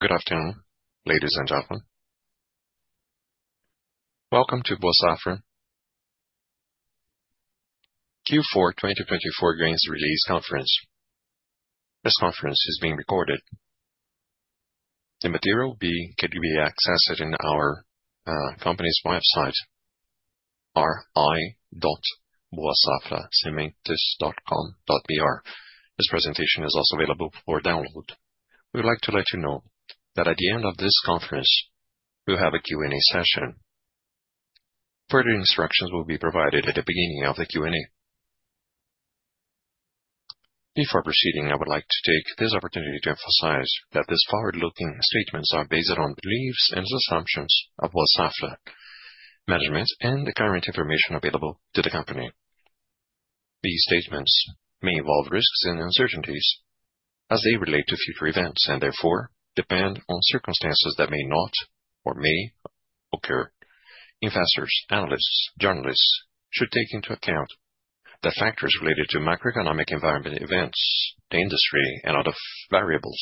Good afternoon, ladies and gentlemen. Welcome to Boa Safra Q4 2024 Earnings Release Conference. This conference is being recorded. The material can be accessed in our company's website, ri.boasafrasementes.com.br. This presentation is also available for download. We would like to let you know that at the end of this conference, we will have a Q&A session. Further instructions will be provided at the beginning of the Q&A. Before proceeding, I would like to take this opportunity to emphasize that these forward-looking statements are based on beliefs and assumptions of Boa Safra management and the current information available to the company. These statements may involve risks and uncertainties as they relate to future events and therefore depend on circumstances that may not or may occur. Investors, analysts, and journalists should take into account that factors related to macroeconomic environment events, the industry, and other variables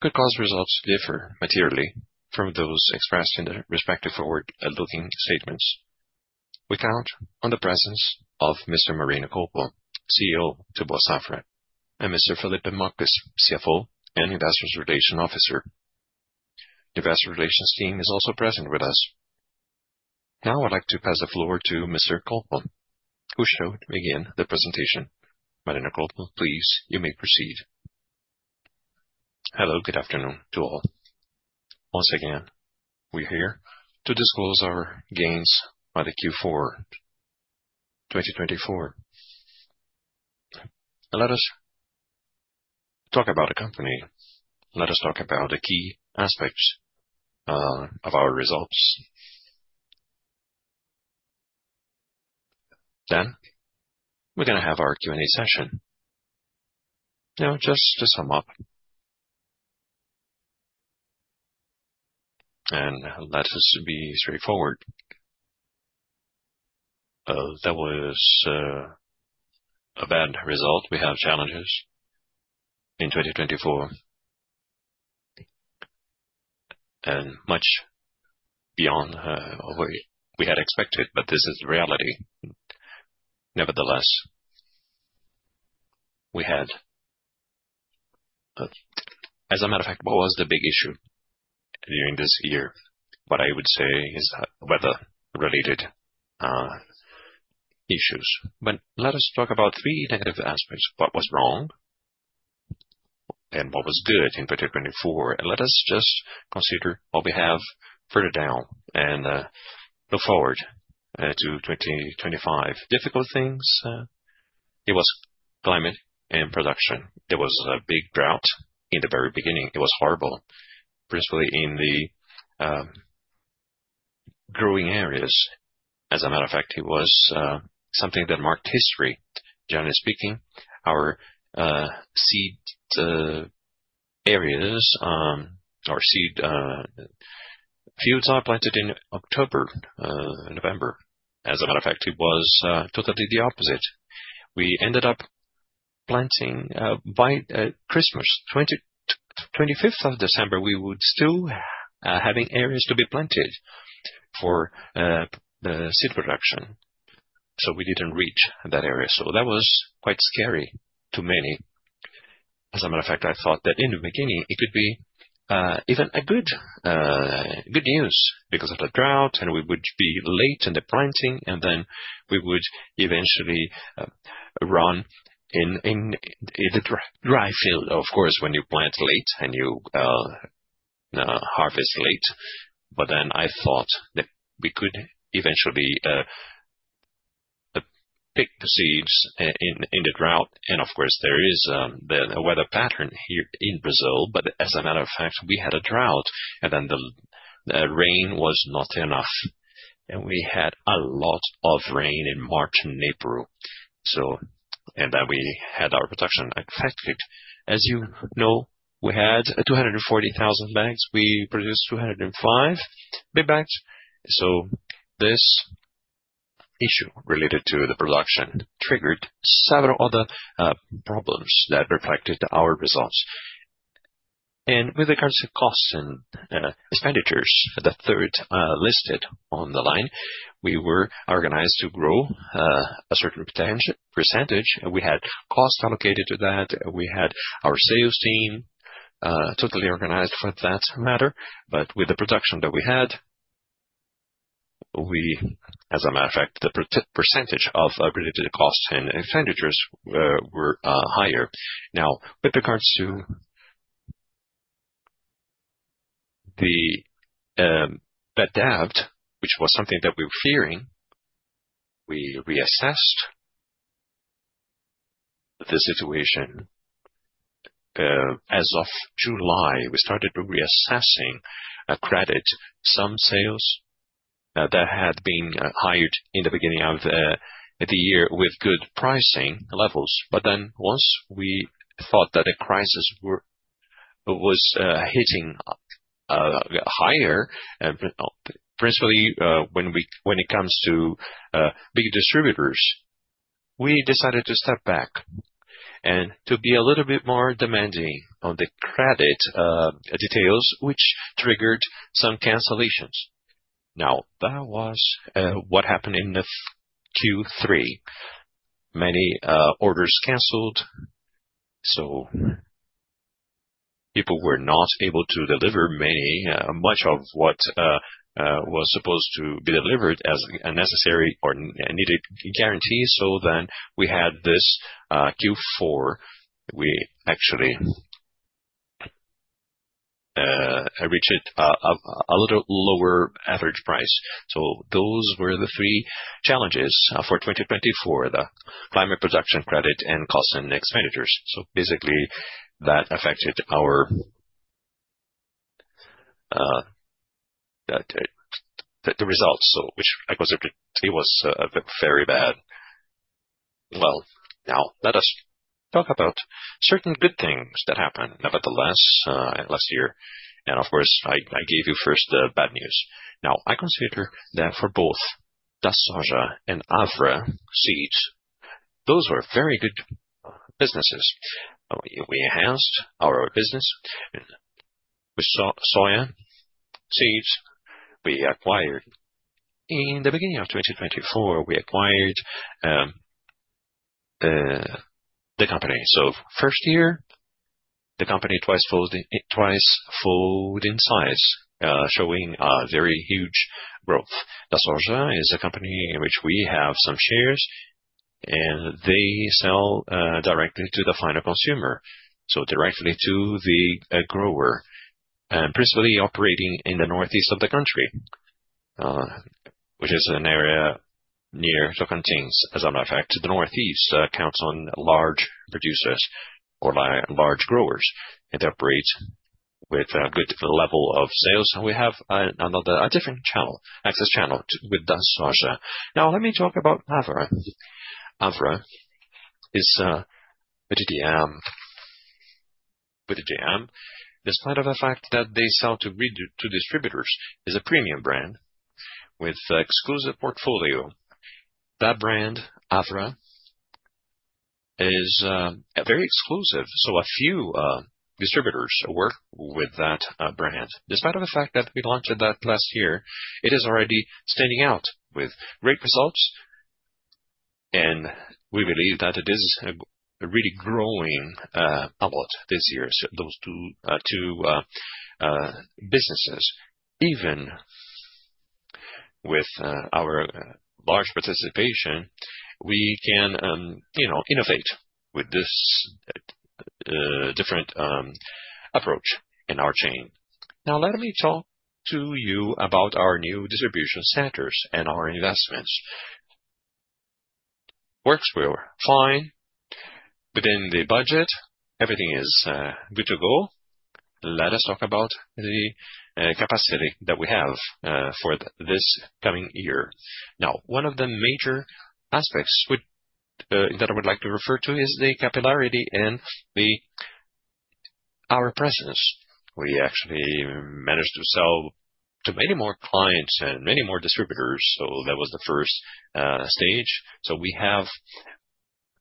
could cause results to differ materially from those expressed in the respective forward-looking statements. We count on the presence of Mr. Marino Colpo, CEO to Boa Safra, and Mr. Felipe Marques, CFO and Investor Relations Officer. The Investor Relations Team is also present with us. Now, I'd like to pass the floor to Mr. Colpo, who shall begin the presentation. Marino Colpo, please, you may proceed. Hello, good afternoon to all. Once again, we're here to disclose our gains by the Q4 2024. Let us talk about the company. Let us talk about the key aspects of our results. Then we're going to have our Q&A session. Now, just to sum up, and let us be straightforward, that was a bad result. We have challenges in 2024 and much beyond what we had expected, but this is the reality. Nevertheless, we had, as a matter of fact, what was the big issue during this year? What I would say is weather-related issues. Let us talk about three negative aspects: what was wrong and what was good in 2024, and let us just consider what we have further down and look forward to 2025. Difficult things, it was climate and production. There was a big drought in the very beginning. It was horrible, particularly in the growing areas. As a matter of fact, it was something that marked history. Generally speaking, our seed areas, our seed fields are planted in October, November. As a matter of fact, it was totally the opposite. We ended up planting by Christmas, 25th of December, we were still having areas to be planted for the seed production. We did not reach that area. That was quite scary to many. As a matter of fact, I thought that in the beginning, it could be even good news because of the drought, and we would be late in the planting, and then we would eventually run in the dry field. Of course, when you plant late and you harvest late. I thought that we could eventually pick the seeds in the drought. Of course, there is a weather pattern here in Brazil. As a matter of fact, we had a drought, and then the rain was not enough. We had a lot of rain in March and April. We had our production. In fact, as you know, we had 240,000 bags. We produced 205 big bags. This issue related to the production triggered several other problems that reflected our results. With regards to costs and expenditures, the third listed on the line, we were organized to grow a certain percentage, and we had costs allocated to that. We had our sales team totally organized for that matter. With the production that we had, we, as a matter of fact, the percentage of related costs and expenditures were higher. Now, with regards to the bad debt, which was something that we were fearing, we reassessed the situation. As of July, we started reassessing and credit some sales that had been hired in the beginning of the year with good pricing levels. Once we thought that the crisis was hitting higher, principally when it comes to big distributors, we decided to step back and to be a little bit more demanding on the credit details, which triggered some cancellations. That was what happened in Q3. Many orders canceled. People were not able to deliver much of what was supposed to be delivered as a necessary or needed guarantee, so then, we had this Q4. We actually reached a little lower average price. Those were the three challenges for 2024: the climate, production credit, and costs and expenditures. Basically, that affected the results, which I considered was very bad. Now, let us talk about certain good things that happened nevertheless last year. Of course, I gave you first the bad news. Now, I consider that for both DaSoja and Avra seeds, those were very good businesses. We enhanced our business with DaSoja seeds we acquired. In the beginning of 2024, we acquired the company. First year, the company twice folded in size, showing a very huge growth. DaSoja is a company in which we have some shares, and they sell directly to the final consumer, so directly to the grower, and principally operating in the northeast of the country, which is an area near Tocantins. As a matter of fact, the northeast counts on large producers or large growers. It operates with a good level of sales. We have another different access channel with DaSoja. Now, let me talk about Avra. Avra is a, despite of the fact that they sell to distributors is a premium brand with an exclusive portfolio. That brand, Avra, is very exclusive. A few distributors work with that brand. Despite the fact that we launched that last year, it is already standing out with great results. We believe that it is a really growing output this year. Those two businesses, even with our large participation, we can innovate with this different approach in our chain. Now, let me talk to you about our new distribution centers and our investments. Works well. Fine. Within the budget, everything is good to go. Let us talk about the capacity that we have for this coming year. One of the major aspects that I would like to refer to is the capillarity and our presence. We actually managed to sell to many more clients and many more distributors, so that was the first stage. We have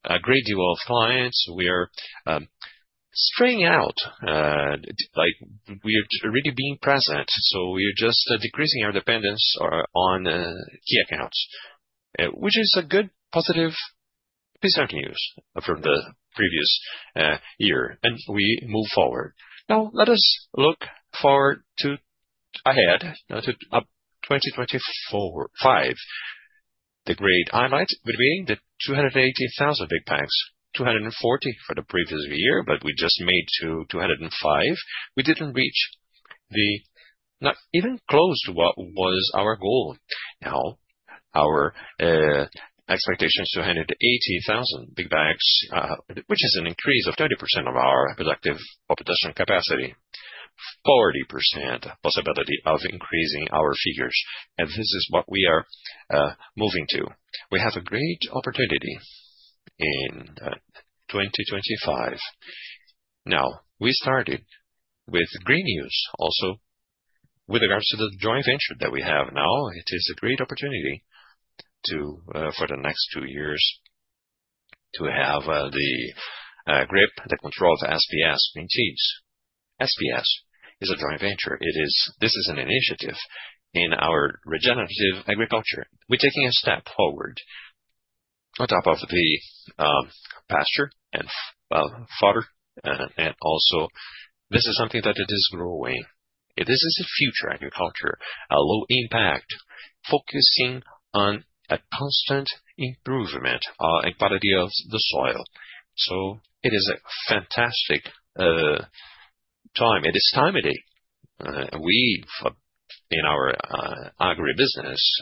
a great deal of clients. We are straying out. We are already being present. We are just decreasing our dependence on key accounts, which is a good positive piece of news from the previous year, an we moved forward. Now, let us look forward ahead to 2025. The great highlight would be the 280,000 big bags, 240,000 for the previous year, but we just made 205,000. We did not reach, not even close to what was our goal. Now, our expectation is 280,000 big bags, which is an increase of 30% of our productive operational capacity, 40% possibility of increasing our figures. This is what we are moving to. We have a great opportunity in 2025. We started with green news. Also, with regards to the joint venture that we have now, it is a great opportunity for the next two years to have the grip, the control of SPS Green Seeds. SPS is a joint venture. This is an initiative in our regenerative agriculture. We're taking a step forward on top of the pasture and fodder. Also, this is something that it is growing. This is a future agriculture, a low impact, focusing on a constant improvement in quality of the soil. It is a fantastic time. It is time of day. We in our agri business,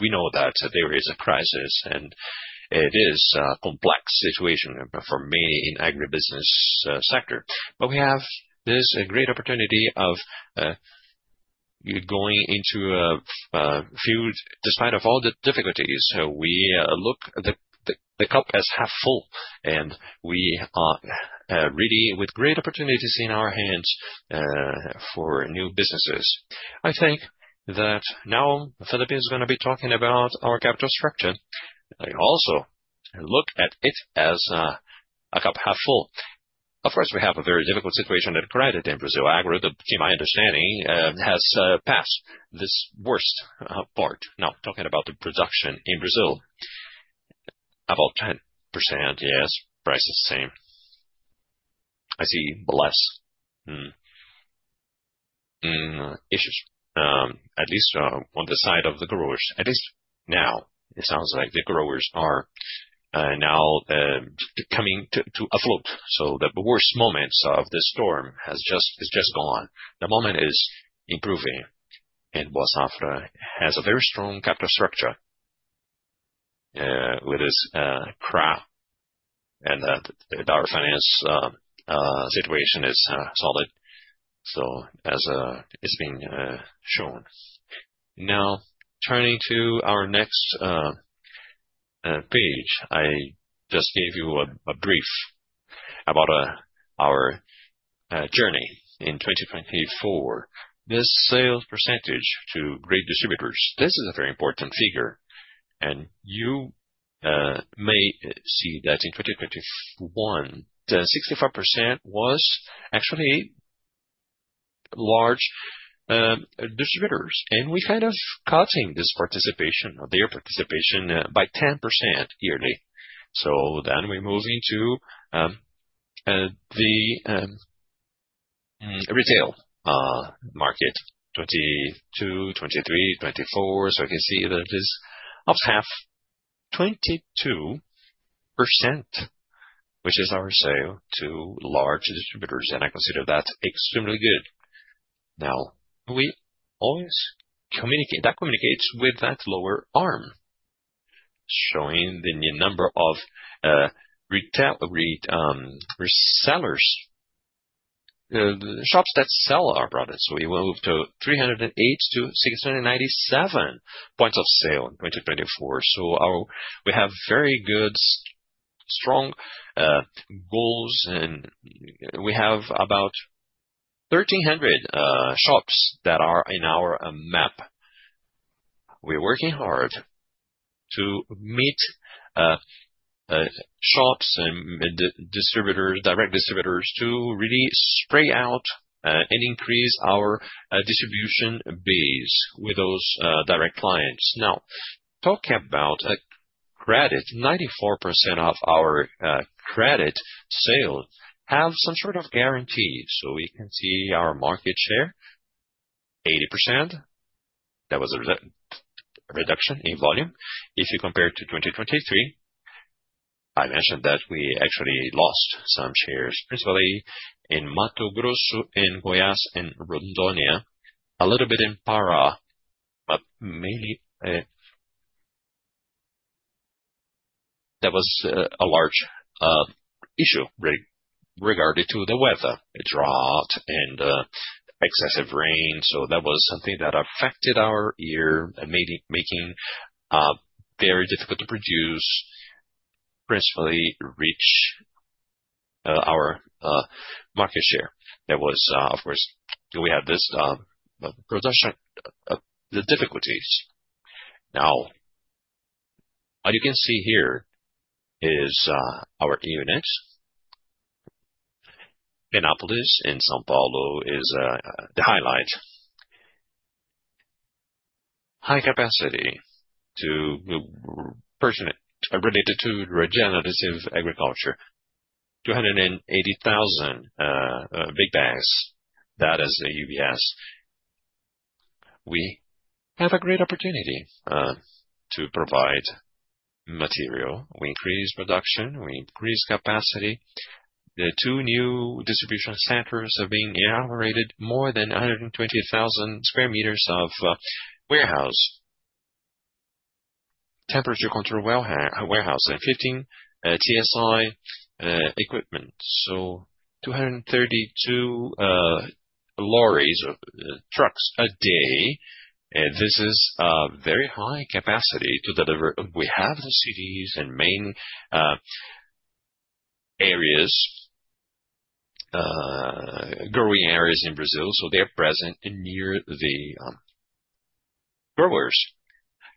we know that there is a crisis, and it is a complex situation for many in the agri business sector. We have this great opportunity of going into a field despite of all the difficulties. We look at the cup as half full, and we are really with great opportunities in our hands for new businesses. I think that now Felipe is going to be talking about our capital structure. I also look at it as a cup half full. Of course, we have a very difficult situation with credit in Brazil. Agri, to my understanding, has passed this worst part. Now, talking about the production in Brazil, about 10%, yes, price is the same. I see less issues, at least on the side of the growers. At least now, it sounds like the growers are now coming to a float. The worst moments of the storm are just gone. The moment is improving, and Boa Safra has a very strong capital structure with its crop. Our finance situation is solid, as it has been shown. Now, turning to our next page, I just gave you a brief about our journey in 2024. This sales percentage to great distributors, this is a very important figure. You may see that in 2021, 65% was actually large distributors. We kind of cut in this participation, their participation by 10% yearly. We move into the retail market, 2022, 2023, 2024. I can see that it is up half, 22%, which is our sale to large distributors. I consider that extremely good. We always communicate that communicates with that lower arm, showing the number of retail resellers, shops that sell our products. We will move to 308 to 697 points of sale in 2024. We have very good, strong goals. We have about 1,300 shops that are in our map. We're working hard to meet shops and direct distributors to really spread out and increase our distribution base with those direct clients. Now, talking about credit, 94% of our credit sales have some sort of guarantee. We can see our market share, 80%. That was a reduction in volume. If you compare to 2023, I mentioned that we actually lost some shares, principally in Mato Grosso, in Goiás, and Rondônia, a little bit in Pará. That was a large issue regarding the weather, drought, and excessive rain, so that was something that affected our year, making it very difficult to produce, principally reach our market share. That was, of course, we had this production difficulties. Now, what you can see here is our units. Penápolis in São Paulo is the highlight. High capacity to personnel related to regenerative agriculture, 280,000 big bags, that is the UBS. We have a great opportunity to provide material. We increase production. We increase capacity. The two new distribution centers have been inaugurated, more than 120,000 square meters of warehouse. Temperature control warehouse and 15 TSI equipment, so 232 lorries or trucks a day. This is a very high capacity to deliver. We have the cities and main areas, growing areas in Brazil. They are present near the growers.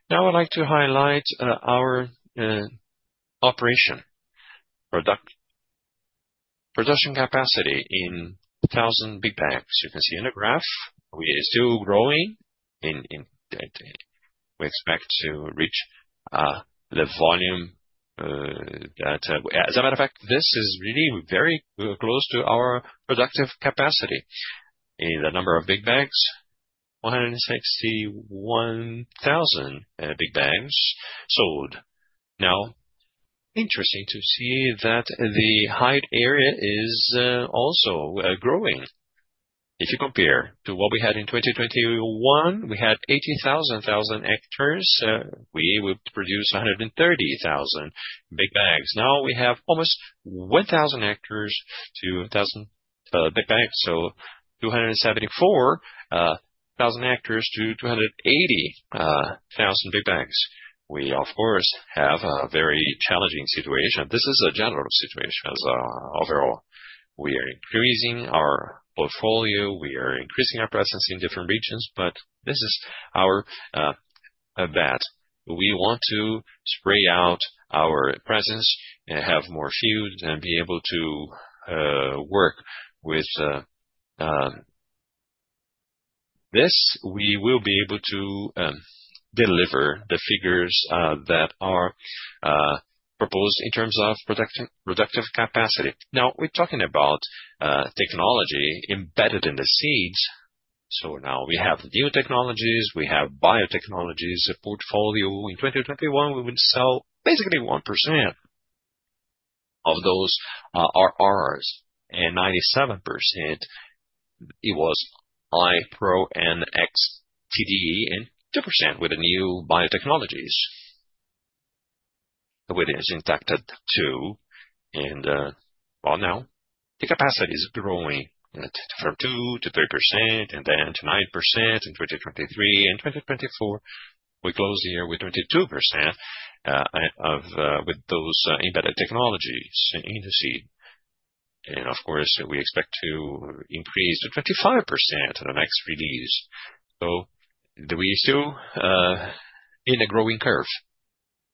Now, I'd like to highlight our operation production capacity in thousand big bags. You can see in the graph. We are still growing. We expect to reach the volume that, as a matter of fact, this is really very close to our productive capacity. The number of big bags, 161,000 big bags sold. Now, interesting to see that the high area is also growing. If you compare to what we had in 2021, we had 80,000 hectares. We would produce 130,000 big bags. Now, we have almost 1,000 hectares to 1,000 big bags. 274,000 hectares to 280,000 big bags. We, of course, have a very challenging situation. This is a general situation as overall. We are increasing our portfolio. We are increasing our presence in different regions, but this is our bet. We want to spread out our presence and have more fields and be able to work with this. We will be able to deliver the figures that are proposed in terms of productive capacity. Now, we're talking about technology embedded in the seeds. Now we have new technologies. We have biotechnologies. The portfolio in 2021, we would sell basically 1% of those are ours, and 97%, it was IPRO and Xtend and 2% with the new biotechnologies that we have injected too. Now, the capacity is growing from 2% to 3% and then to 9% in 2023. In 2024, we close the year with 22% with those embedded technologies in the seed. Of course, we expect to increase to 25% in the next release. We are still in a growing curve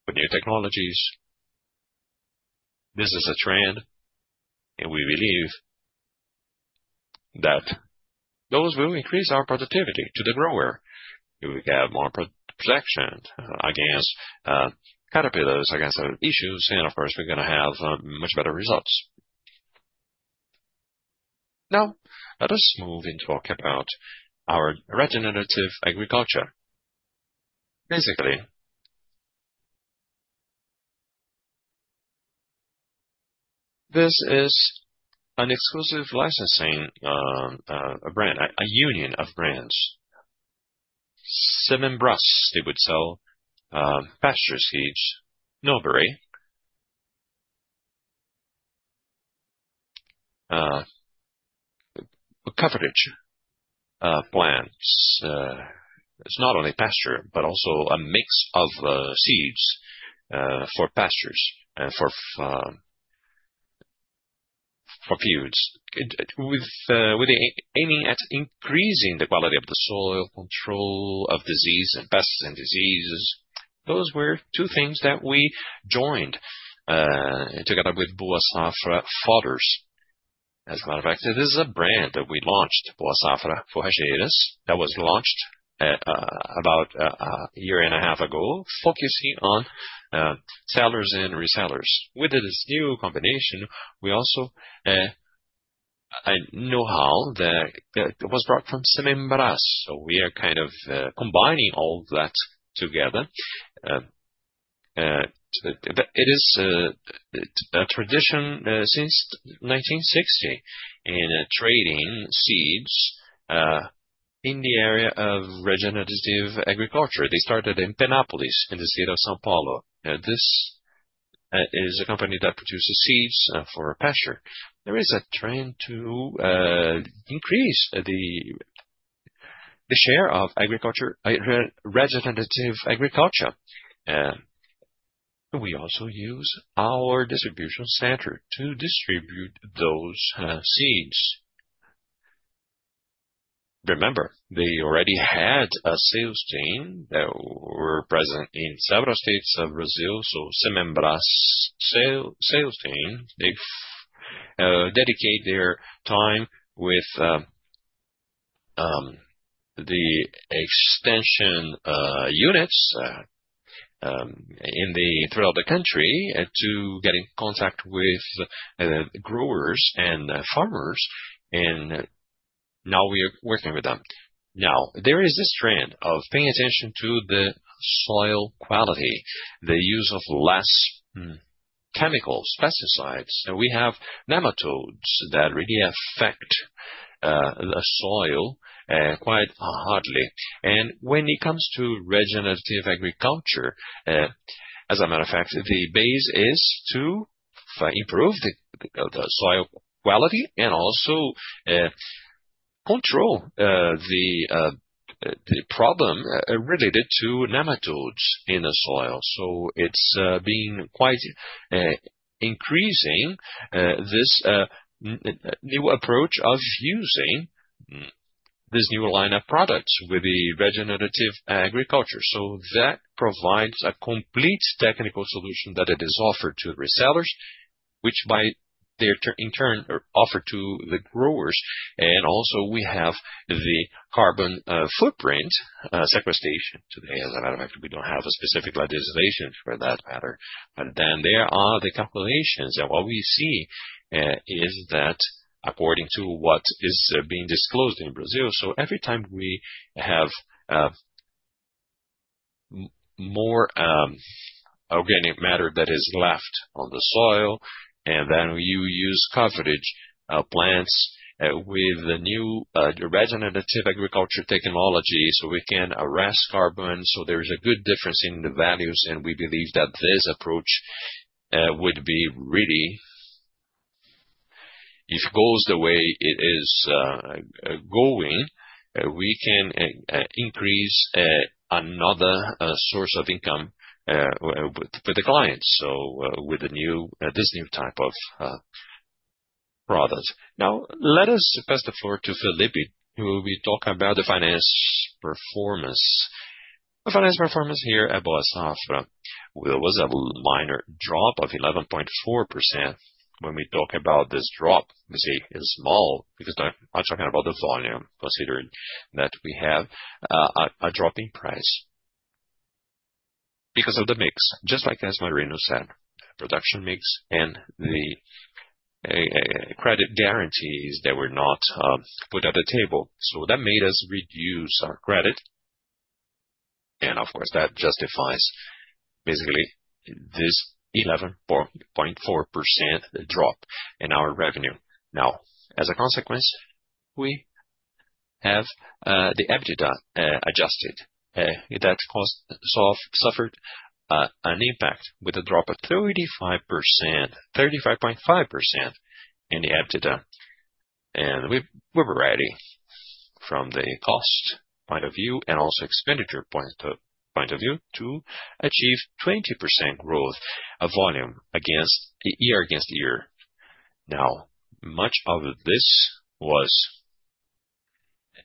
with new technologies. This is a trend. We believe that those will increase our productivity to the grower. We can have more protection against caterpillars, against issues. Of course, we're going to have much better results. Now, let us move into our regenerative agriculture. Basically, this is an exclusive licensing brand, a union of brands. Sementes Roos, they would sell pasture seeds, non-berry, coverage plants. It's not only pasture, but also a mix of seeds for pastures and for fields, with aiming at increasing the quality of the soil, control of disease and pests and diseases. Those were two things that we joined together with Boa Safra Fodders. As a matter of fact, this is a brand that we launched, Boa Safra Forrageiras. That was launched about a year and a half ago, focusing on sellers and resellers. With this new combination, we also know how that was brought from Sementes Roos. We are kind of combining all that together. It is a tradition since 1960 in trading seeds in the area of regenerative agriculture, they started in Penápolis in the state of São Paulo. This is a company that produces seeds for pasture. There is a trend to increase the share of regenerative agriculture. We also use our distribution center to distribute those seeds. Remember, they already had a sales team that were present in several states of Brazil. Sementes Roos sales team, they dedicate their time with the extension units throughout the country to get in contact with growers and farmers. Now we are working with them. Now, there is this trend of paying attention to the soil quality, the use of less chemicals, pesticides. We have nematodes that really affect the soil quite hardly. When it comes to regenerative agriculture, as a matter of fact, the base is to improve the soil quality and also control the problem related to nematodes in the soil. It has been quite increasing, this new approach of using this new line of products with the regenerative agriculture. That provides a complete technical solution that is offered to resellers, which by their turn offer to the growers, and also have the carbon footprint sequestration today. As a matter of fact, we do not have a specific legislation for that matter. There are the calculations. What we see is that according to what is being disclosed in Brazil, every time we have more organic matter that is left on the soil, and then you use coverage plants with the new regenerative agriculture technology, we can arrest carbon. There is a good difference in the values. We believe that this approach would be really, if it goes the way it is going, we can increase another source of income for the clients with this new type of product. Now, let us pass the floor to Felipe, who will be talking about the finance performance. Finance performance here at Boa Safra. There was a minor drop of 11.4%. When we talk about this drop, we say it is small because I am talking about the volume, considering that we have a drop in price because of the mix. Just like as Marino said, production mix and the credit guarantees that were not put at the table. That made us reduce our credit, and of course, that justifies basically this 11.4% drop in our revenue. Now, as a consequence, we have the EBITDA adjusted that suffered an impact with a drop of 35.5% in the EBITDA. We were ready from the cost point of view and also expenditure point of view to achieve 20% growth of volume year against year. Much of this was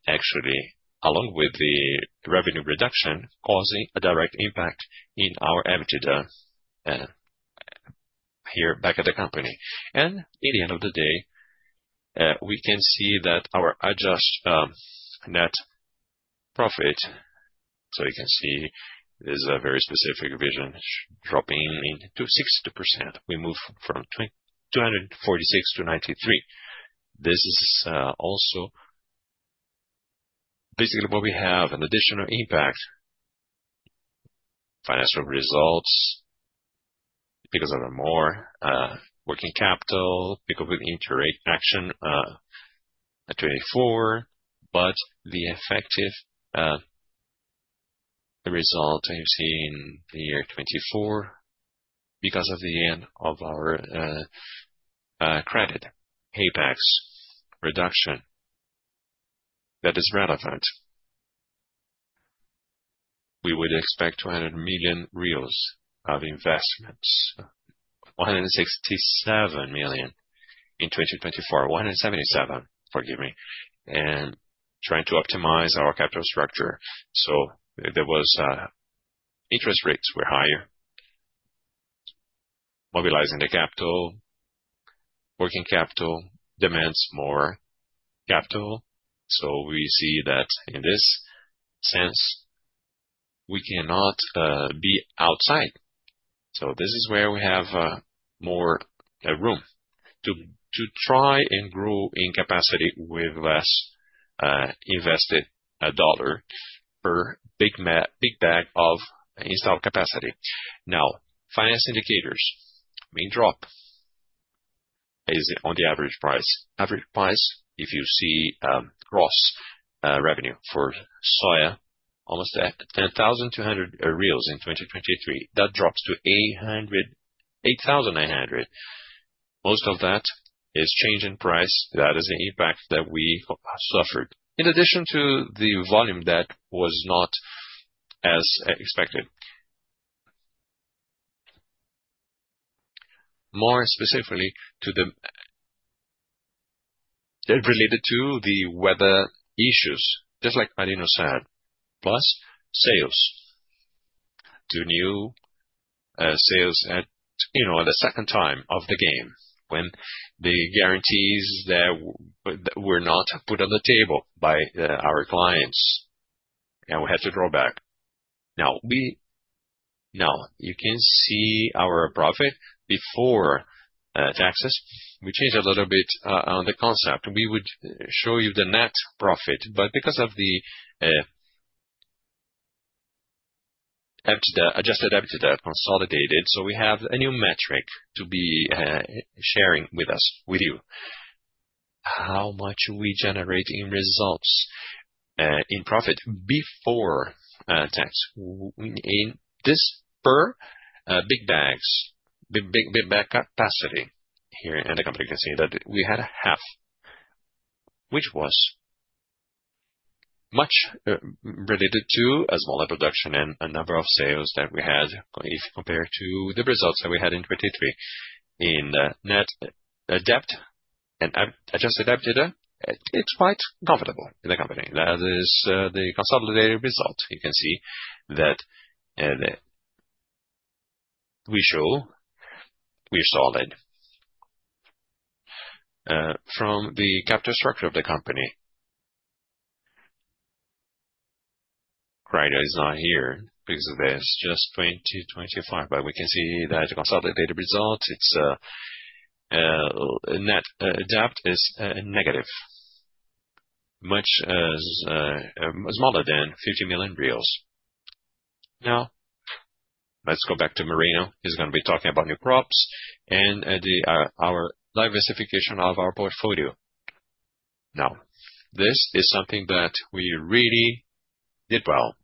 actually, along with the revenue reduction, causing a direct impact in our EBITDA here back at the company. In the end of the day, we can see that our adjusted net profit, so you can see there's a very specific vision dropping to 62%. We moved from 246 to 93. This is also basically what we have, an additional impact, financial results because of more working capital, because of interaction at 2024. The effective result I've seen in year 2024 because of the end of our credit paybacks reduction that is relevant. We would expect 200 million reais of investments, 167 million in 2024, 177 million, forgive me, and trying to optimize our capital structure. There was interest rates were higher, mobilizing the capital, working capital demands more capital. We see that in this sense, we cannot be outside. This is where we have more room to try and grow in capacity with less invested dollar per big bag of installed capacity. Now, finance indicators, main drop is on the average price. Average price, if you see gross revenue for soya, almost 10,200 reais in 2023. That drops to 8,900. Most of that is change in price. That is the impact that we suffered. In addition to the volume that was not as expected, more specifically related to the weather issues, just like Marino said, plus sales to new sales at the second time of the game when the guarantees that were not put on the table by our clients. We had to draw back. Now, you can see our profit before taxes. We changed a little bit on the concept. We would show you the net profit, but because of the adjusted EBITDA consolidated, we have a new metric to be sharing with you. How much we generate in results, in profit before tax. In this per big bags, big bag capacity here, and the company can see that we had a half, which was much related to a smaller production and a number of sales that we had if compared to the results that we had in 2023. In net debt and Adjusted EBITDA, it's quite comfortable in the company. That is the consolidated result. You can see that we show we're solid from the capital structure of the company. Right now, it's not here because of this, just 2025, but we can see that the consolidated result, its net debt is negative, much smaller than 50 million. Now, let's go back to Marino. He's going to be talking about new props and our diversification of our portfolio. Now, this is something that we really did well.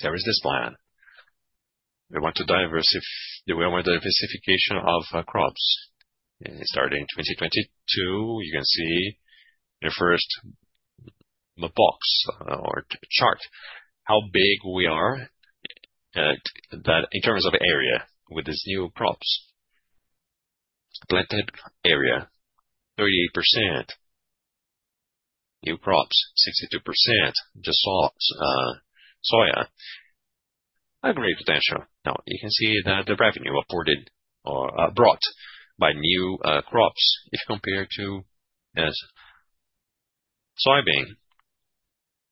There is this plan. We want to diversify the diversification of crops. It started in 2022, you can see the first box or chart, how big we are in terms of area with these new crops. Planted area, 38%. New crops, 62%. Just soya. A great potential. Now, you can see that the revenue afforded or brought by new crops, if compared to soybean,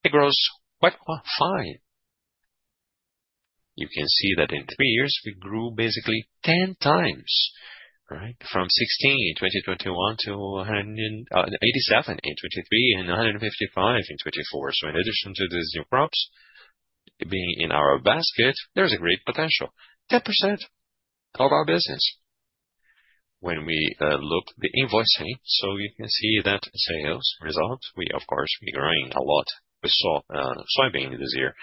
it grows quite fine. You can see that in three years, we grew basically 10 times, right? From 16 in 2021 to 187 in 2023 and 155 in 2024. In addition to these new crops being in our basket, there is a great potential. 10% of our business. When we look at the invoicing, you can see that sales result, we of course be growing a lot. We saw soybean this year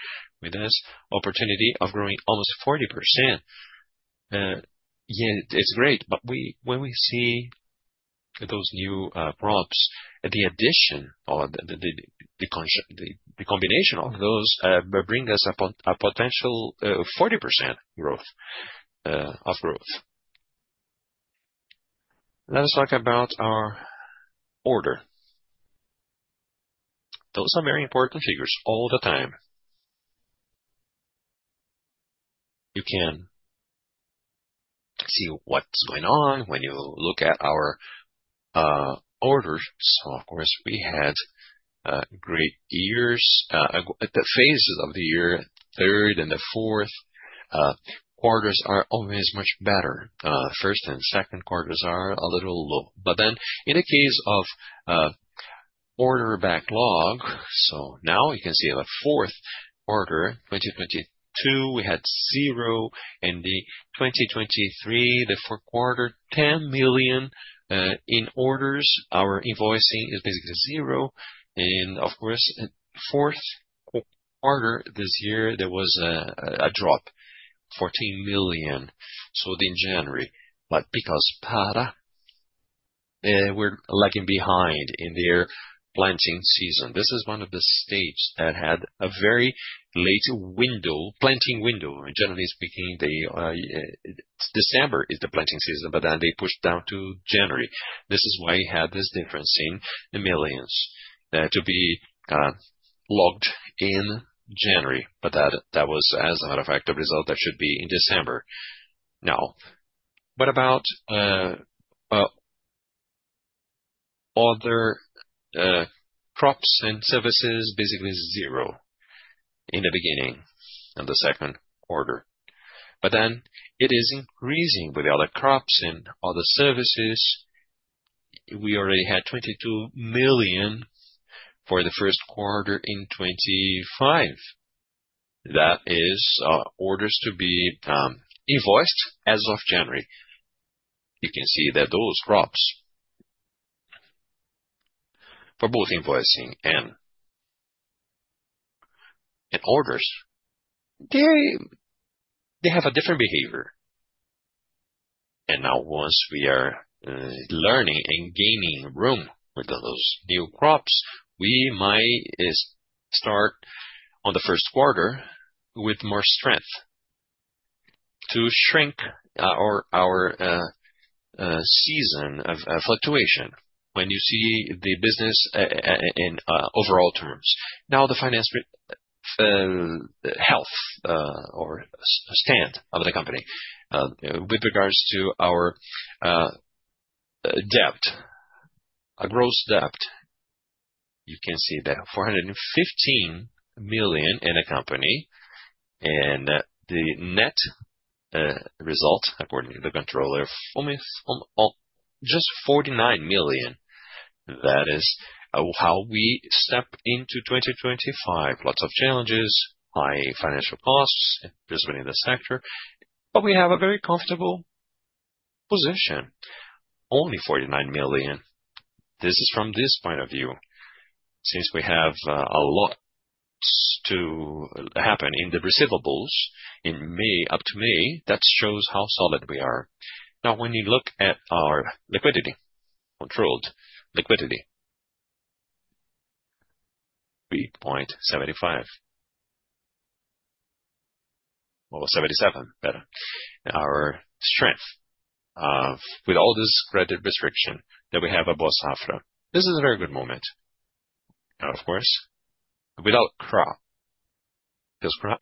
with this opportunity of growing almost 40%. Yeah, it's great, but when we see those new crops, the addition or the combination of those bring us a potential 40% growth of growth. Let us talk about our order. Those are very important figures all the time. You can see what's going on when you look at our orders. Of course, we had great years. The phases of the year, third and the fourth quarters are always much better. First and second quarters are a little low, but then, in the case of order backlog, now you can see the fourth quarter, 2022, we had zero. In 2023, the fourth quarter, 10 million in orders. Our invoicing is basically zero. Fourth quarter this year, there was a drop, 14 million. In January, because Pará, we're lagging behind in their planting season. This is one of the states that had a very late window, planting window. Generally speaking, December is the planting season, but they pushed down to January. This is why we had this difference in the millions to be logged in January. That was, as a matter of fact, the result that should be in December. Now, what about other crops and services? Basically zero in the beginning and the second quarter. It is increasing with the other crops and other services. We already had 22 million for the first quarter in 2025. That is orders to be invoiced as of January. You can see that those crops for both invoicing and orders, they have a different behavior. Now once we are learning and gaining room with those new crops, we might start on the first quarter with more strength to shrink our season of fluctuation when you see the business in overall terms. Now, the finance health or stand of the company with regards to our debt, a gross debt, you can see that 415 million in a company and the net result according to the controller for me from just 49 million. That is how we step into 2025. Lots of challenges, high financial costs, just been in the sector, but we have a very comfortable position. Only 49 million. This is from this point of view. Since we have a lot to happen in the receivables in May, up to May, that shows how solid we are. Now, when you look at our liquidity, controlled liquidity, 3.75 or 3.77, better. Our strength with all this credit restriction that we have at Boa Safra. This is a very good moment. Now, of course, without crop, because crop,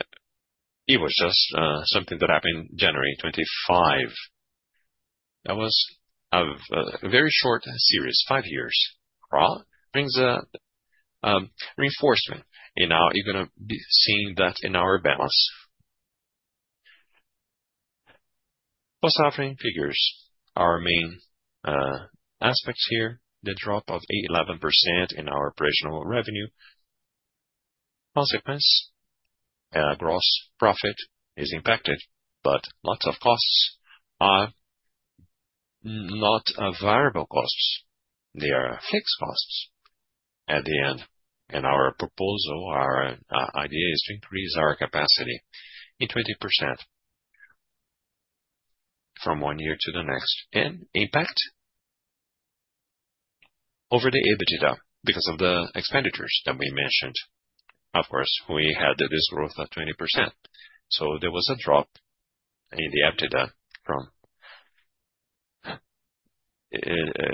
it was just something that happened in January 2025. That was a very short series, five years. Crop brings reinforcement, and now you're going to be seeing that in our balance. Boa Safra figures, our main aspects here, the drop of 11% in our operational revenue. Consequence, gross profit is impacted, but lots of costs are not variable costs. They are fixed costs at the end. Our proposal, our idea is to increase our capacity in 20% from one year to the next. Impact over the EBITDA because of the expenditures that we mentioned. Of course, we had this growth of 20%. There was a drop in the EBITDA from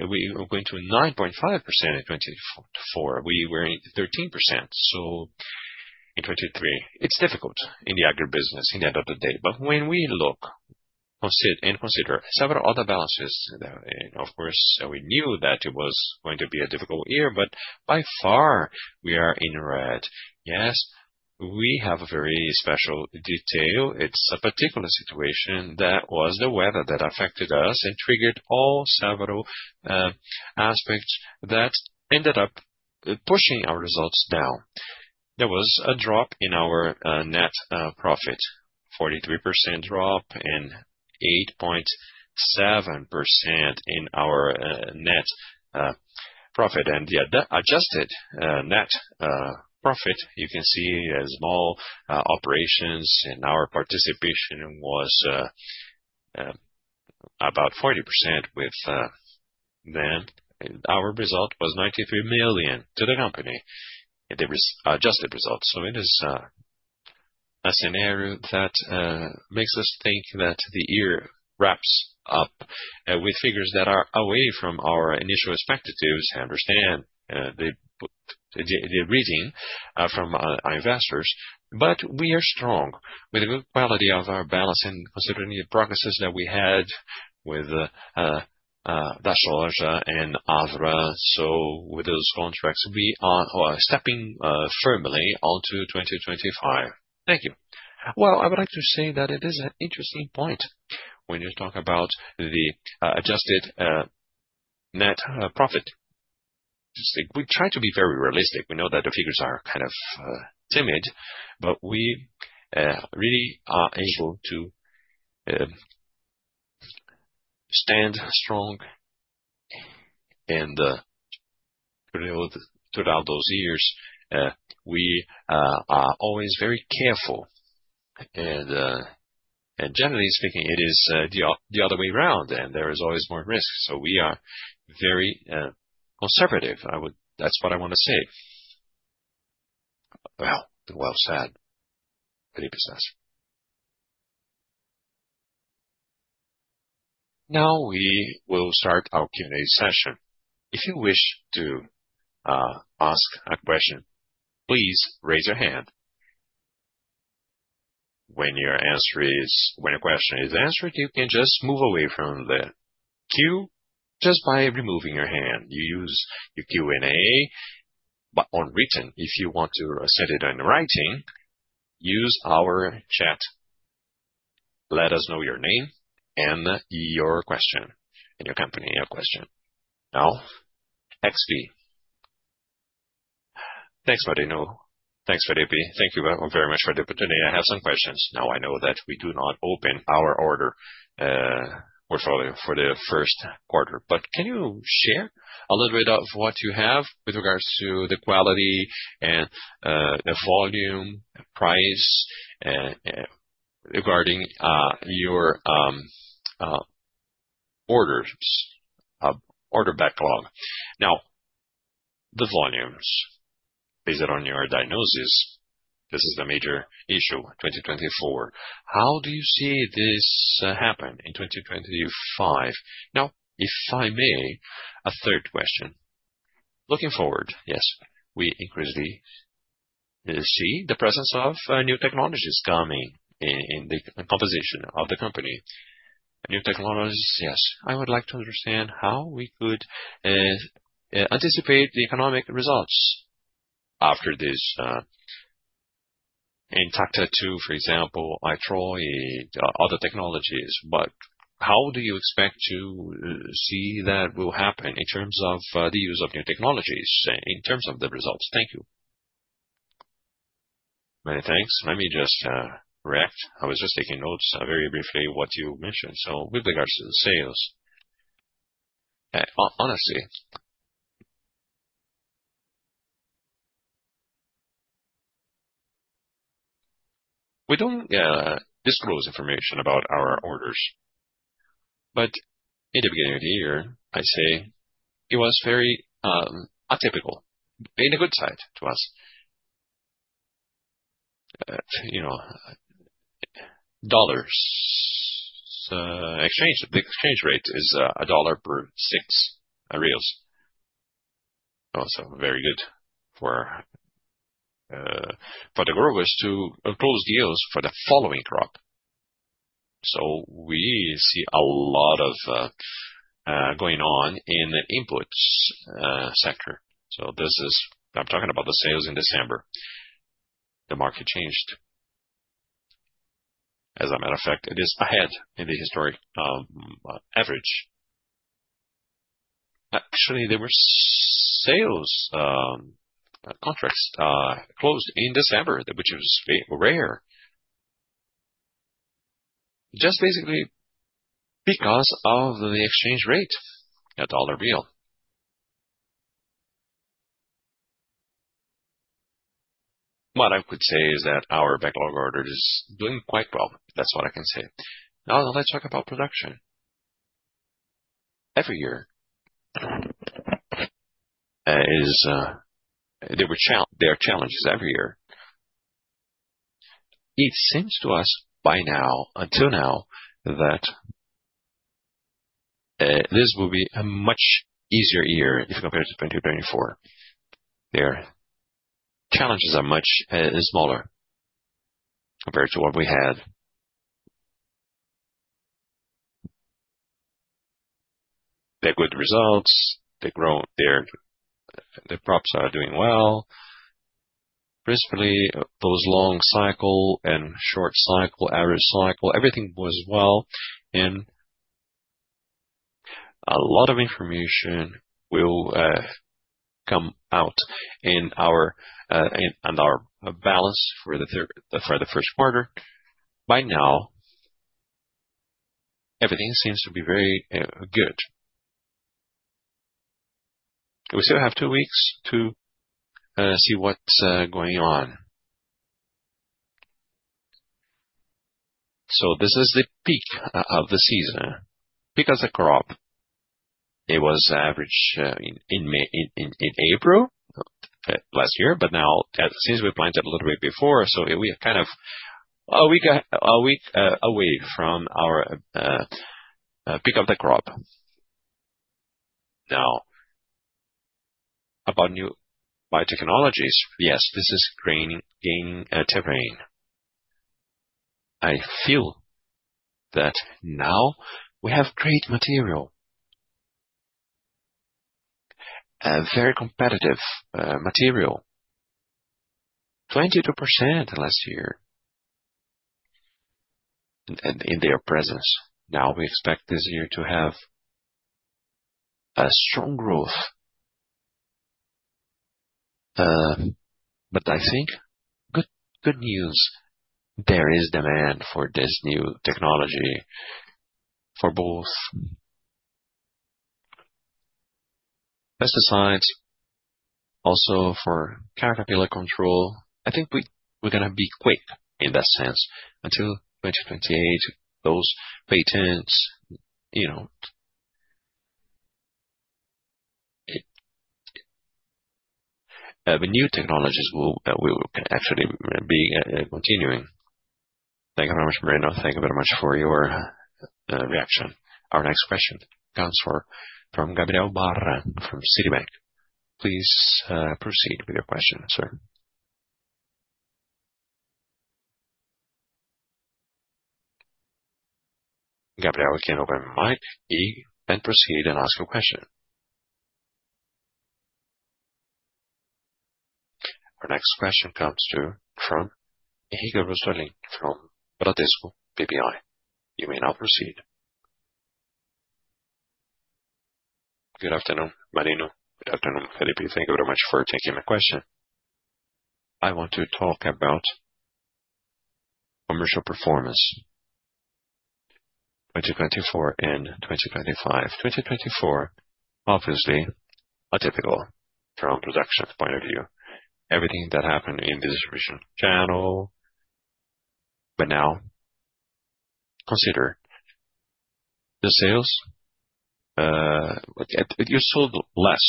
we went to 9.5% in 2024, we were in 13%. In 2023, it's difficult in the agribusiness in the end of the day. When we look and consider several other balances, of course, we knew that it was going to be a difficult year, but by far we are in red. Yes, we have a very special detail. It's a particular situation that was the weather that affected us and triggered all several aspects that ended up pushing our results down. There was a drop in our net profit, 43% drop and 8.7% in our net profit. The adjusted net profit, you can see small operations and our participation was about 40% with them. Our result was 93 million to the company. There was adjusted result. It is a scenario that makes us think that the year wraps up with figures that are away from our initial expectatives. I understand the reading from our investors, but we are strong with the good quality of our balance and considering the progresses that we had with DaSoja and Avra. With those contracts, we are stepping firmly onto 2025. Thank you. I would like to say that it is an interesting point when you talk about the adjusted net profit. We try to be very realistic. We know that the figures are kind of timid, but we really are able to stand strong, and throughout those years, we are always very careful. Generally speaking, it is the other way around, and there is always more risk, so we are very conservative. That is what I want to say. Well said. Now we will start our Q&A session. If you wish to ask a question, please raise your hand. When your answer is, when a question is answered, you can just move away from the queue just by removing your hand. You use your Q&A on written. If you want to send it in writing, use our chat. Let us know your name and your question and your company question. Now, XP. Thanks, Marino. Thanks, Felipe. Thank you very much for the opportunity. I have some questions. Now, I know that we do not open our order portfolio for the first quarter, but can you share a little bit of what you have with regards to the quality and the volume, the price regarding your orders, order backlog? Now, the volumes based on your diagnosis, this is the major issue in 2024. How do you see this happen in 2025? Now, if I may, a third question. Looking forward, yes, we increasingly see the presence of new technologies coming in the composition of the company. New technologies, yes. I would like to understand how we could anticipate the economic results after this Intacta 2, for example, IPRO, other technologies. How do you expect to see that will happen in terms of the use of new technologies in terms of the results? Thank you. Many thanks. Let me just react. I was just taking notes very briefly of what you mentioned. With regards to sales, honestly, we do not disclose information about our orders, but in the beginning of the year, I say it was very atypical, in a good side to us. Dollars exchange, the exchange rate is $1 per BRL 6. Very good for the growers to close deals for the following crop. We see a lot going on in the inputs sector. This is, I'm talking about the sales in December. The market changed. As a matter of fact, it is ahead in the history of average. Actually, there were sales contracts closed in December, which was rare, just basically because of the exchange rate at dollar real. What I could say is that our backlog order is doing quite well. That's what I can say. Now, let's talk about production. Every year there are challenges, every year. It seems to us by now, until now, that this will be a much easier year if compared to 2024. Their challenges are much smaller compared to what we had. They're good results. Their crops are doing well. Principally, those long cycle and short cycle, average cycle, everything was well. A lot of information will come out in our balance for the first quarter. By now, everything seems to be very good. We still have two weeks to see what's going on. This is the peak of the season. Peak of the crop. It was average in April last year, but now since we planted a little bit before, we are kind of a week away from our peak of the crop. Now, about new biotechnologies, yes, this is gaining terrain. I feel that now we have great material, very competitive material, 22% last year in their presence. Now we expect this year to have a strong growth. I think good news. There is demand for this new technology for both pesticides, also for caterpillar control. I think we're going to be quick in that sense until 2028. Those patents, the new technologies will actually be continuing. Thank you very much, Marino. Thank you very much for your reaction. Our next question comes from Gabriel Barra from Citibank. Please proceed with your question, sir. Gabriel, you can open mic and proceed and ask your question. Our next question comes from Henrique Brustolin from Bradesco BBI. You may now proceed. Good afternoon, Marino. Good afternoon, Felipe. Thank you very much for taking my question. I want to talk about commercial performance, 2024 and 2025. 2024, obviously atypical from a production point of view. Everything that happened in the distribution channel. Now, consider the sales. You sold less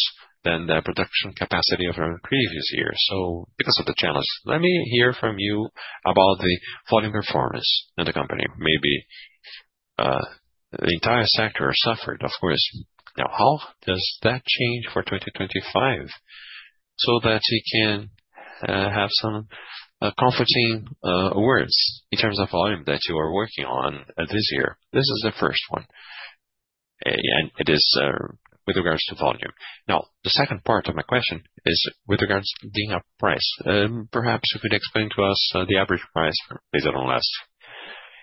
than the production capacity of previous years. Because of the challenge, let me hear from you about the volume performance in the company. Maybe the entire sector suffered, of course. Now, how does that change for 2025 so that you can have some comforting words in terms of volume that you are working on this year? This is the first one. It is with regards to volume. The second part of my question is with regards to the up price. Perhaps you could explain to us the average price based on last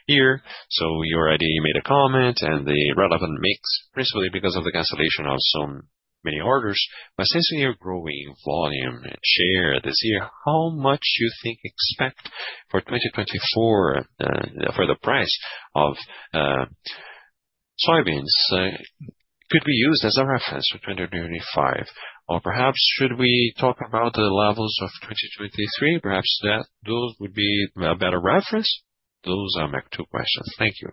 year. You already made a comment and the relevant mix, principally because of the cancellation of so many orders. Since you are growing volume and share this year, how much do you think expect for 2024 for the price of soybeans could be used as a reference for 2025? Perhaps should we talk about the levels of 2023? Perhaps those would be a better reference. Those are my two questions. Thank you.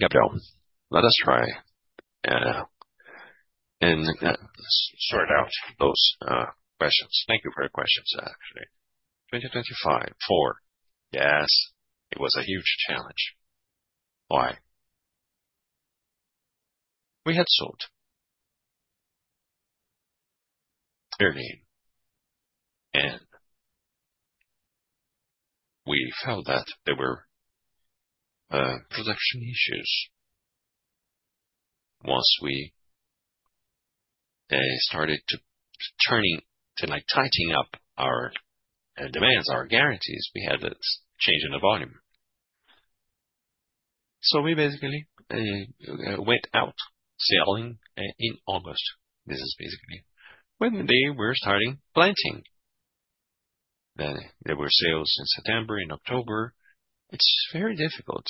Gabriel, let us try and sort out those questions. Thank you for your questions, actually. 2025. 2024. Yes, it was a huge challenge. Why? We had sold. And we felt that there were production issues. Once we started turning to tightening up our demands, our guarantees, we had a change in the volume. We basically went out selling in August. This is basically when they were starting planting. There were sales in September, in October. It's very difficult.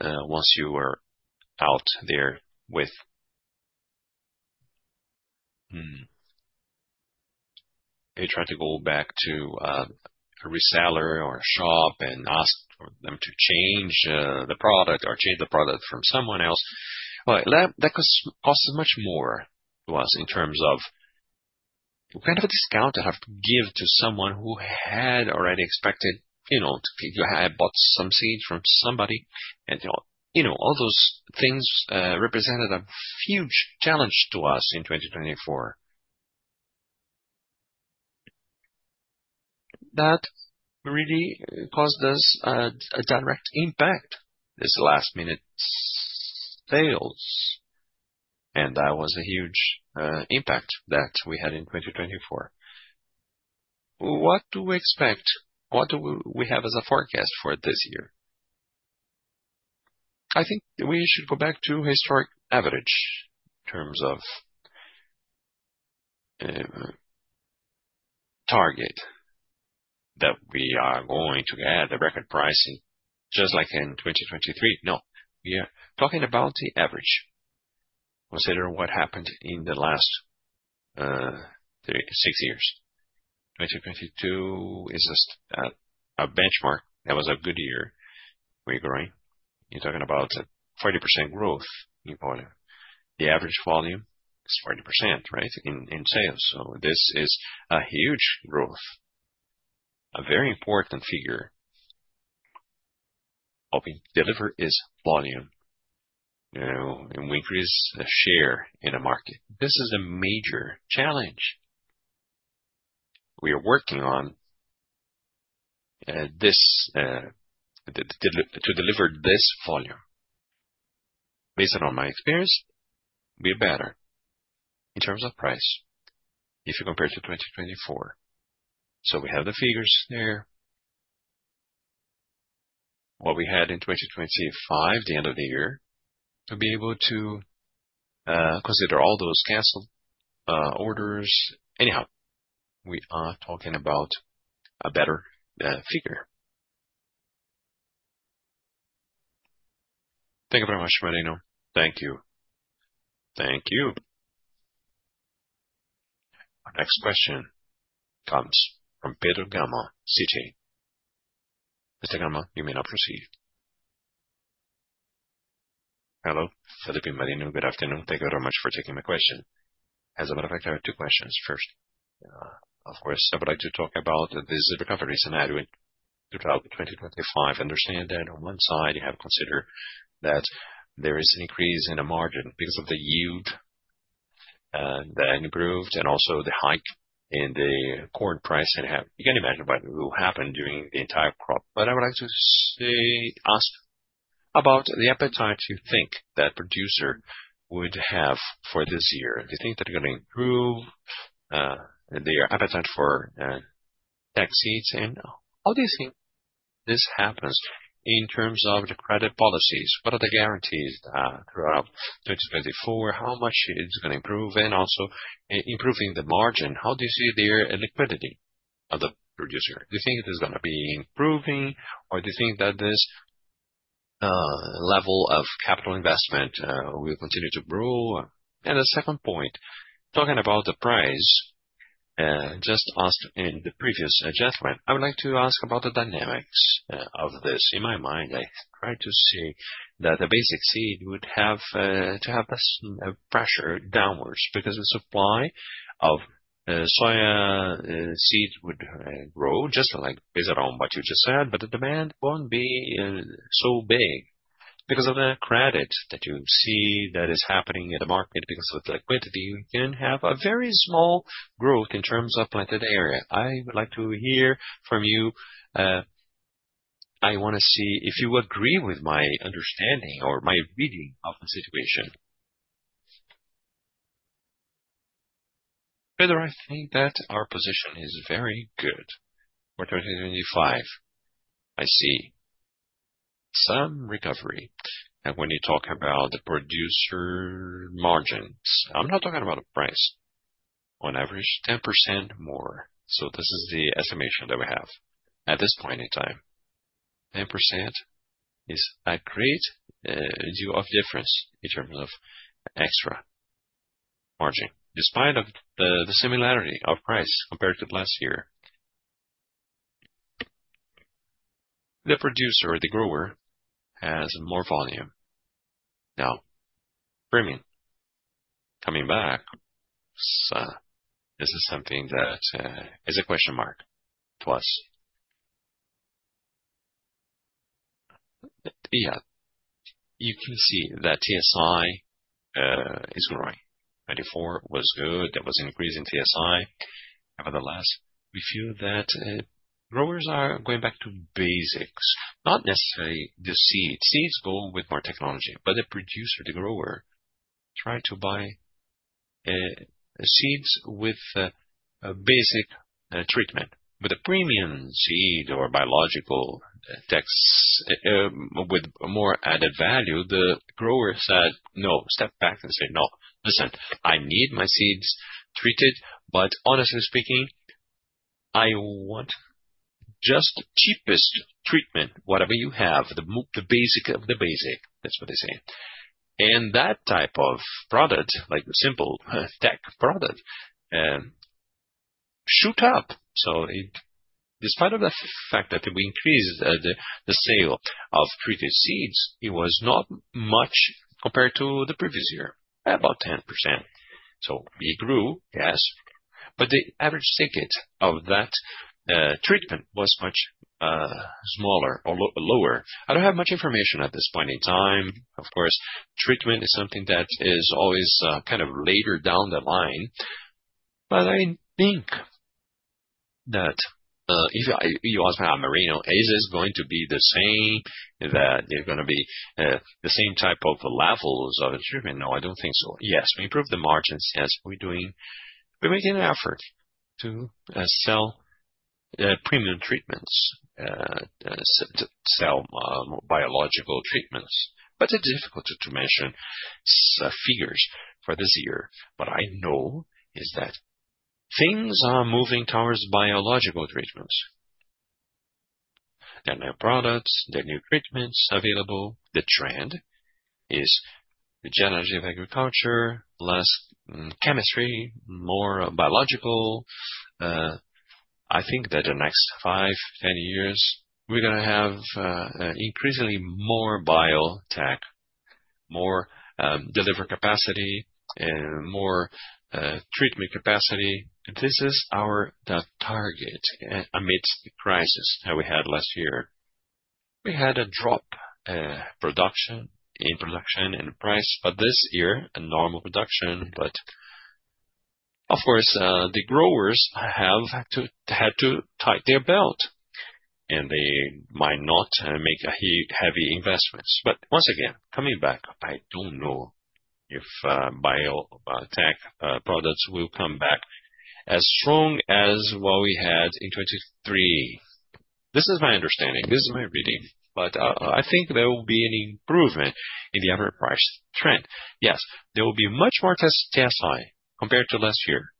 Once you were out there with they tried to go back to a reseller or a shop and ask for them to change the product or change the product from someone else. That costs much more to us in terms of what kind of a discount I have to give to someone who had already expected you had bought some seeds from somebody. All those things represented a huge challenge to us in 2024. That really caused us a direct impact, this last-minute sales. That was a huge impact that we had in 2024. What do we expect? What do we have as a forecast for this year? I think we should go back to historic average in terms of target that we are going to get the record pricing, just like in 2023. No, we are talking about the average. Consider what happened in the last six years. 2022 is just a benchmark. That was a good year. We're growing. You're talking about a 40% growth in volume. The average volume is 40% in sales. This is a huge growth, a very important figure. What we deliver is volume. We increase share in the market. This is a major challenge we are working on to deliver this volume. Based on my experience, we are better in terms of price if you compare to 2024. We have the figures there. What we had in 2025, the end of the year, to be able to consider all those canceled orders. Anyhow, we are talking about a better figure. Thank you very much, Marino. Thank you. Thank you. Our next question comes from Pedro Gama, Citi. Mr. Gama, you may now proceed. Hello, Felipe, Marino. Good afternoon. Thank you very much for taking my question. As a matter of fact, I have two questions. First, of course, I would like to talk about the Boa Safra scenario in 2025. Understand that on one side, you have to consider that there is an increase in the margin because of the yield that improved and also the hike in the corn price. You can imagine what will happen during the entire crop. I would like to ask about the appetite you think that producer would have for this year. Do you think that they're going to improve their appetite for tech seeds? How do you think this happens in terms of the credit policies? What are the guarantees throughout 2024? How much is it going to improve? Also, improving the margin, how do you see their liquidity of the producer? Do you think it is going to be improving? Do you think that this level of capital investment will continue to grow? The second point, talking about the price, just asked in the previous gentleman, I would like to ask about the dynamics of this. In my mind, I tried to see that the basic seed would have to have less pressure downwards because the supply of soya seed would grow just like based on what you just said, but the demand won't be so big. Because of the credit that you see that is happening in the market because of the liquidity, we can have a very small growth in terms of planted area. I would like to hear from you. I want to see if you agree with my understanding or my reading of the situation. Pedro, I think that our position is very good for 2025, I see some recovery. When you talk about the producer margins, I'm not talking about a price. On average, 10% more. This is the estimation that we have at this point in time. 10% is a great deal of difference in terms of extra margin. Despite the similarity of price compared to last year, the producer, the grower, has more volume. Now, premium coming back, this is something that is a question mark to us. Yeah, you can see that TSI is growing. 2024 was good. There was an increase in TSI. Nevertheless, we feel that growers are going back to basics, not necessarily the seeds. Seeds go with more technology, but the producer, the grower, tried to buy seeds with basic treatment. With a premium seed or biological tech with more added value, the grower said, "No, step back and say, 'No, listen, I need my seeds treated,' but honestly speaking, I want just the cheapest treatment, whatever you have, the basic of the basic." That's what they say. That type of product, like the simple tech product, shoot up. Despite the fact that we increased the sale of previous seeds, it was not much compared to the previous year, about 10%. We grew, yes, but the average ticket of that treatment was much smaller or lower. I do not have much information at this point in time. Of course, treatment is something that is always kind of later down the line. I think that if you ask me, "Marino, is it going to be the same, that they are going to be the same type of levels of treatment?" No, I do not think so. Yes, we improved the margins. Yes, we are making an effort to sell premium treatments, to sell biological treatments. It is difficult to mention figures for this year. What I know is that things are moving towards biological treatments, the new products, the new treatments available. The trend is regenerative agriculture, less chemistry, more biological. I think that in the next five, 10 years, we're going to have increasingly more biotech, more delivery capacity, and more treatment capacity. This is our target amidst the crisis that we had last year. We had a drop in production and price, but this year, a normal production. Of course, the growers have had to tighten their belt, and they might not make heavy investments. Once again, coming back, I don't know if biotech products will come back as strong as what we had in 2023. This is my understanding. This is my reading. I think there will be an improvement in the average price trend. Yes, there will be much more TSI compared to last year.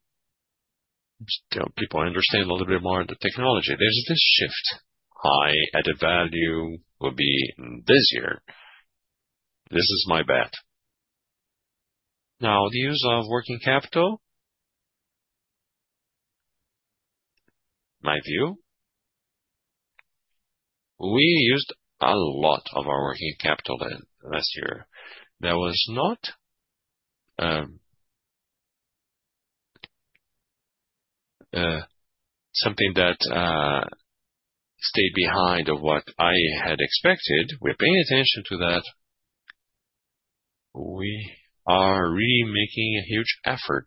People understand a little bit more of the technology. There's this shift. High added value will be this year. This is my bet. Now, the use of working capital, my view, we used a lot of our working capital last year. That was not something that stayed behind of what I had expected. We're paying attention to that. We are really making a huge effort.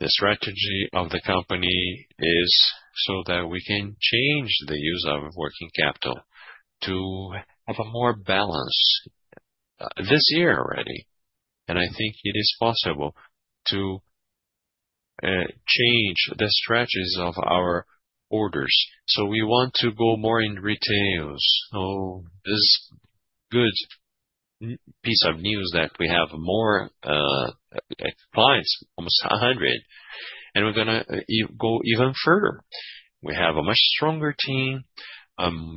The strategy of the company is so that we can change the use of working capital to have a more balance this year already. I think it is possible to change the strategies of our orders. We want to go more in retails. This is a good piece of news that we have more clients, almost 100. We're going to go even further. We have a much stronger team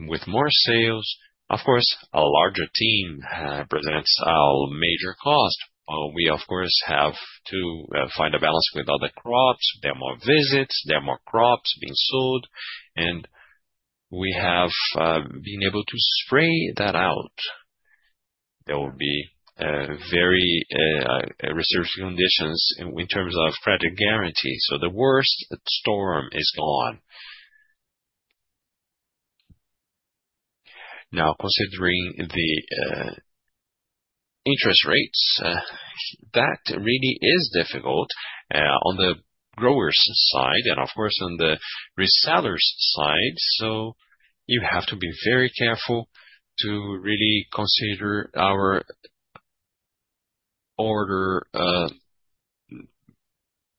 with more sales. Of course, a larger team presents our major cost. We, of course, have to find a balance with other crops. There are more visits. There are more crops being sold. We have been able to spray that out. There will be very reserved conditions in terms of credit guarantee. The worst storm is gone. Now, considering the interest rates, that really is difficult on the growers' side and, of course, on the resellers' side. You have to be very careful to really consider our order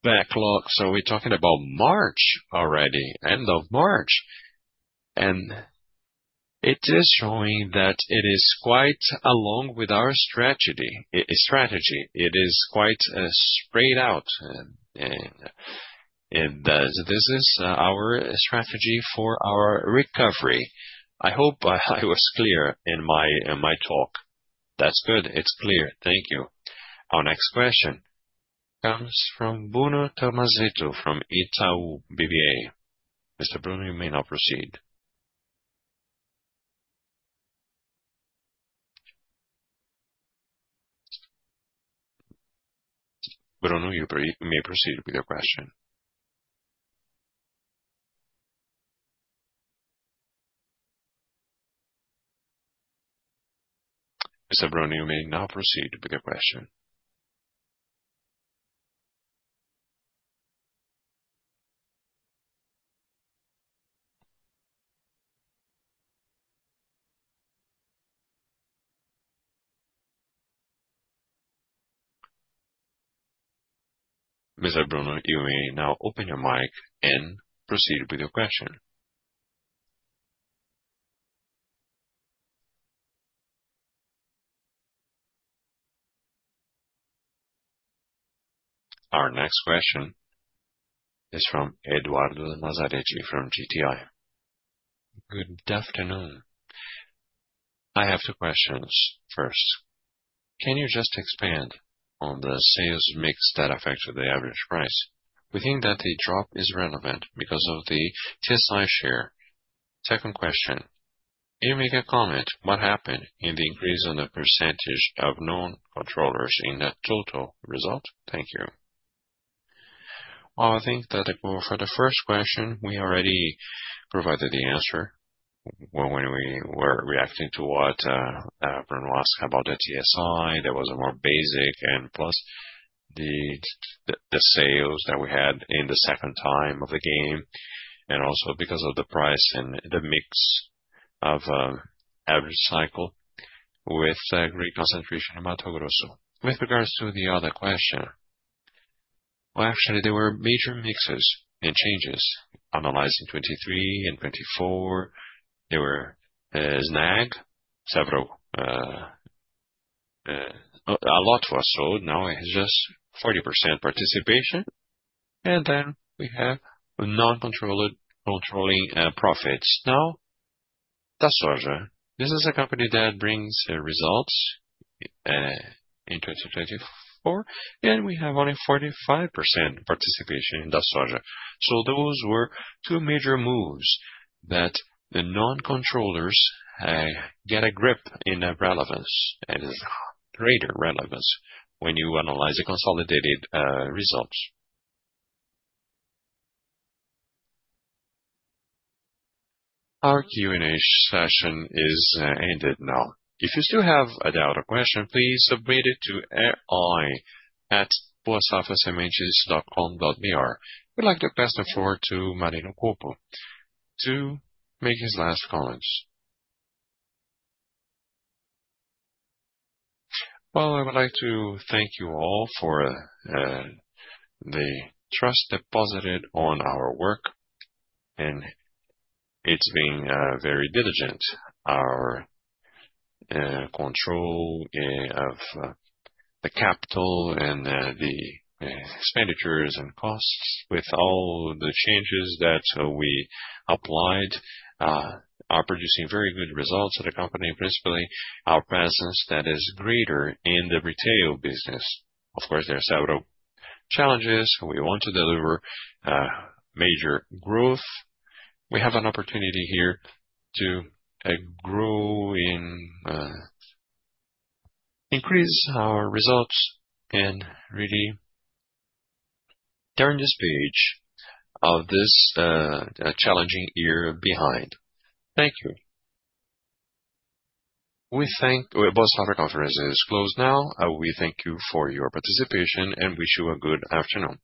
backlog. We are talking about March already, end of March. It is showing that it is quite along with our strategy. It is quite spread out. This is our strategy for our recovery. I hope I was clear in my talk. That's good. It's clear. Thank you. Our next question comes from Bruno Tomazetto from Itaú BBA. Mr. Bruno, you may now proceed. Bruno, you may proceed with your question. Mr. Bruno, you may now proceed with your question. Mr. Bruno, you may now open your mic and proceed with your question. Our next question is from Eduardo Lazzaretti from GTI. Good afternoon. I have two questions. First, can you just expand on the sales mix that affected the average price? We think that the drop is relevant because of the TSI share. Second question, you may comment on what happened in the increase in the percentage of known controllers in the total result. Thank you. I think that for the first question, we already provided the answer when we were reacting to what Bruno asked about the TSI. There was a more basic and plus the sales that we had in the second time of the game. Also because of the price and the mix of average cycle with great concentration in Mato Grosso. With regards to the other question, actually, there were major mixes and changes analyzed in 2023 and 2024. There were SNAG, several a lot was sold. Now it's just 40% participation. We have non-controlling profits. Now, DaSoja, this is a company that brings results in 2024. We have only 45% participation in DaSoja. Those were two major moves that the non-controllers get a grip in relevance. It is greater relevance when you analyze the consolidated results. Our Q&A session is ended now. If you still have a doubt or question, please submit it to ai@boasafasementes.com.br. We'd like to pass the floor to Marino Colpo to make his last comments. I would like to thank you all for the trust deposited on our work. It's been very diligent. Our control of the capital and the expenditures and costs, with all the changes that we applied, are producing very good results at the company. Principally, our presence that is greater in the retail business. Of course, there are several challenges. We want to deliver major growth. We have an opportunity here to grow and increase our results and really turn this page of this challenging year behind. Thank you. Boa Safra Conference is closed now. We thank you for your participation and wish you a good afternoon.